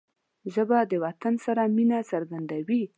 ژبه د وطن سره مینه څرګندوي